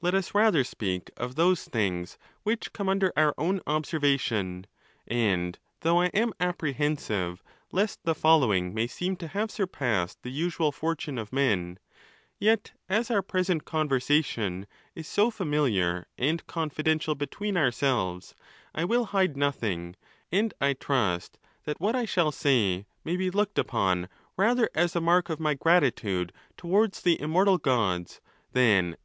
Let us rather speak of those things which come under. our own observation. And though I am apprehensive lest the following may seem to have surpassed the usual fortune of men, yet as our present conversation is so familiar and confidential between ourselves, I will hide nothing; and J trust that what I shall say may be looked upon rather as a. mark of my gratitude towards the immortal gods, than as.